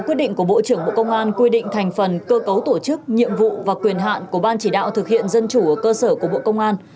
quyết định của bộ trưởng bộ công an quy định thành phần cơ cấu tổ chức nhiệm vụ và quyền hạn của ban chỉ đạo thực hiện dân chủ ở cơ sở của bộ công an